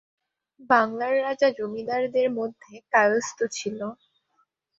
বাংলার রাজা, জমিদার দের মধ্যে কায়স্থ ছিল।